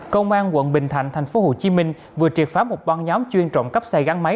công an quận bình thạnh thành phố hồ chí minh vừa triệt phá một ban nhóm chuyên trọng cấp xài gắn máy